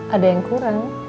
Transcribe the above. ada yang kurang